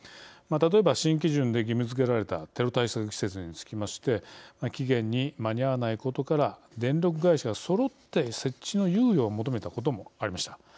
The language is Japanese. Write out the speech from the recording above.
例えば新基準で義務づけられたテロ対策施設につきまして期限に間に合わないことから電力会社がそろって設置の猶予を求めたこともありました。